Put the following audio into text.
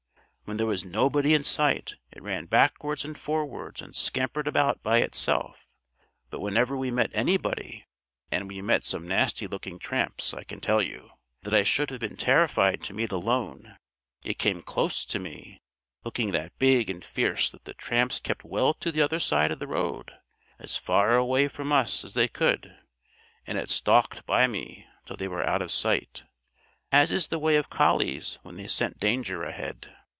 When there was nobody in sight, it ran backwards and forwards and scampered about by itself; but whenever we met anybody and we met some nasty looking tramps, I can tell you, that I should have been terrified to meet alone it came close to me, looking that big and fierce that the tramps kept well to the other side of the road, as far away from us as they could; and it stalked by me till they were out of sight, as is the way of collies when they scent danger ahead.